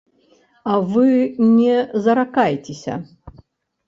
А вы не заракайцеся.